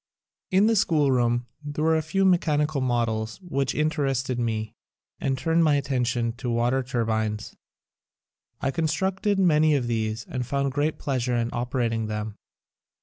In the schoolroom there were a few me chanical models which interested me and turned my attention to water turbines. I constructed many of these and found great pleasure in operating them.